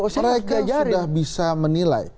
mereka sudah bisa menilai